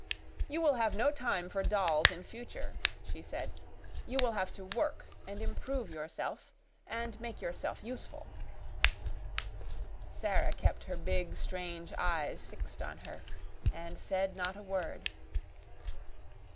"You will have no time for dolls in future," she said. "You will have to work and improve yourself and make yourself useful." Sara kept her big, strange eyes fixed on her, and said not a word.